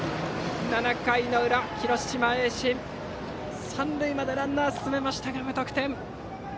７回裏、広島・盈進三塁までランナーを進めたが無得点。